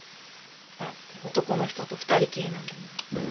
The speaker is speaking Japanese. だって男の人と２人きりなんだもん。